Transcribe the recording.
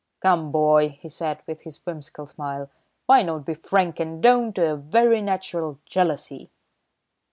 "Come, boy," he said, with his whimsical smile, "why not be frank and own to a very natural jealousy?"